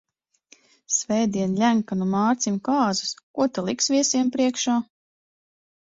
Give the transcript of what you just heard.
Svētdien Ļenkanu Mārcim kāzas, ko ta liks viesiem priekšā?